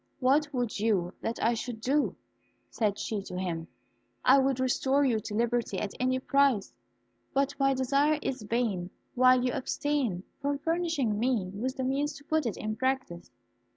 "What would you that I should do?" said she to him. "I would restore you to liberty at any price; but my desire is vain while you abstain from furnishing me with the means to put it in practice."